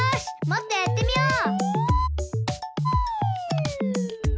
もっとやってみよう！